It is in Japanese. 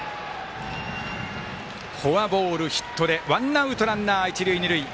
フォアボール、ヒットでワンアウト、ランナー、一塁二塁。